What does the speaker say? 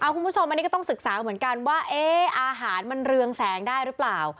คุณผู้ชมอันนี้ก็ต้องศึกษาเหมือนกันว่าอาหารมันเรืองแสงได้หรือเปล่า